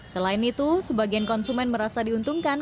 selain itu sebagian konsumen merasa diuntungkan